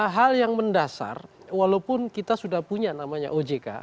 hal yang mendasar walaupun kita sudah punya namanya ojk